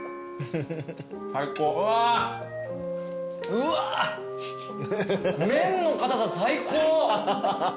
うわ麺の硬さ最高。